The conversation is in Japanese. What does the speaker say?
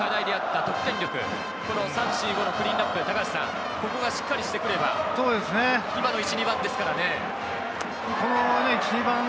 そうなってきますと、ドラゴンズの長年の課題であった得点力、３、４、５のクリーンナップ、ここがしっかりしてくれば、今の１・２番ですからね。